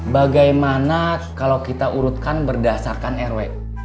bagaimana kalau kita urutkan berdasarkan rw